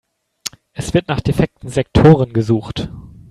Es wird nach defekten Sektoren gesucht.